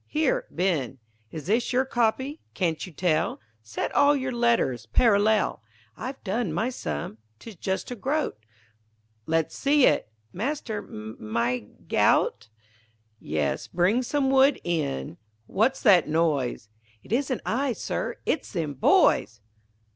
Here Ben, Is this your copy? Can't you tell? Set all your letters parallel. I've done my sum 'tis just a groat Let's see it. Master, m' I g' out? Yes, bring some wood in What's that noise? _It isn't I, Sir, it's them boys.